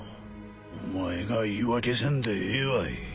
お前が言い訳せんでええわい。